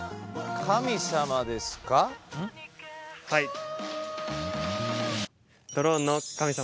はい。